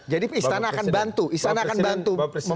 jadi istana akan bantu istana akan bantu membuka ini